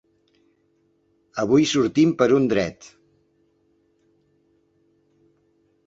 Avui sortim per un dret.